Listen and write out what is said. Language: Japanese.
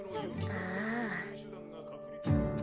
ああ。